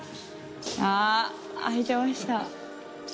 あ開いてました。